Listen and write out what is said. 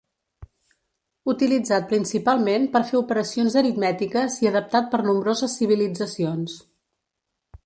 Utilitzat principalment per fer operacions aritmètiques i adaptat per nombroses civilitzacions.